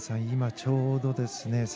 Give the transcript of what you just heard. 今ちょうどですね